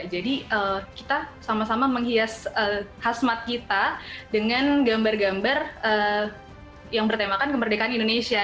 jadi kita sama sama menghias khasmat kita dengan gambar gambar yang bertemakan kemerdekaan indonesia